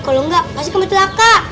kalau enggak pasti kamu celaka